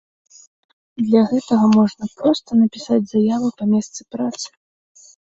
Для гэтага можна проста напісаць заяву па месцы працы.